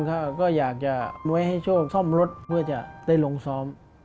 ก็อยากจะไว้ให้โชคซ่อมรถเพื่อจะได้ลงซ้อม